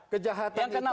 kejahatan itu potensinya